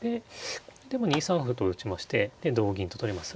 これでも２三歩と打ちまして同銀と取ります。